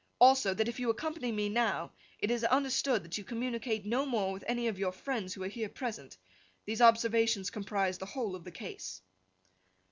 Also, that if you accompany me now, it is understood that you communicate no more with any of your friends who are here present. These observations comprise the whole of the case.